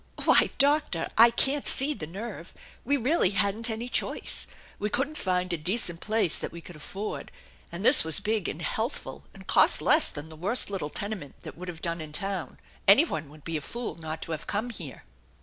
"Why, doctor, I can't see the nerve. We really hadn't any choice. We couldn't find a decent place that we could 156 THE ENCHANTED BARN afford, and this was big and healthful and cost less than thd worst little tenement that would have done in town. Any one would be a fool not to have come here."